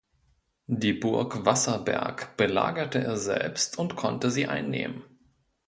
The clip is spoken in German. Die Burg Wasserberg belagerte er selbst und konnte sie einnehmen.